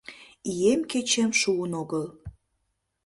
Ием-кечем шуын огыл.